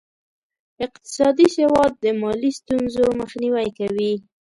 اقتصادي سواد د مالي ستونزو مخنیوی کوي.